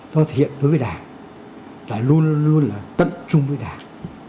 nó thể hiện đối với đảng là luôn luôn là tận trung với đảng